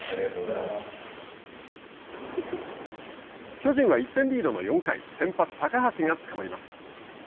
巨人は１点リードの４回先発高橋がつかまります。